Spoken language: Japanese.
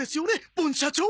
ボン社長。